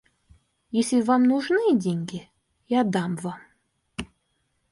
Если вам нужны деньги, я дам вам.